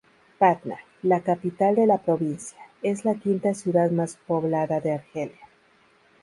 Batna, la capital de la provincia, es la quinta ciudad más poblada de Argelia.